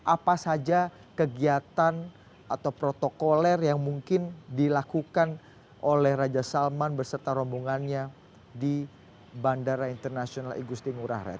apa saja kegiatan atau protokoler yang mungkin dilakukan oleh raja salman berserta rombongannya di bandara internasional igusti ngurah rai